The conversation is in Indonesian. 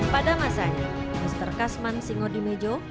pada masanya mr kasman singodimejo